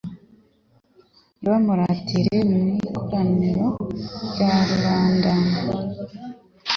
Nibamuratire mu ikoraniro rya rubanda